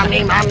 mami aduh mami